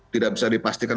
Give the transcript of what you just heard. tidak bisa dipastikan